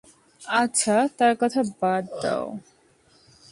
আচ্ছা তার কথা বাদ দেও।